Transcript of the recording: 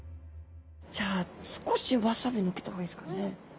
じゃあ少しワサビのっけた方がいいですかね。